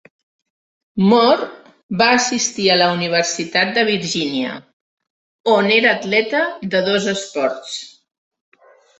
Moore va assistir a la universitat de Virgínia, on era atleta de dos esports.